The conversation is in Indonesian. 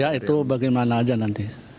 ya itu bagaimana aja nanti